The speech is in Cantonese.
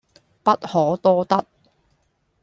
不可多得